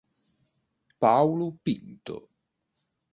Paulo Pinto